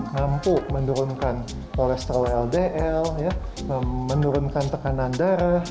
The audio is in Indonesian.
mampu menurunkan kolesterol ldl menurunkan tekanan darah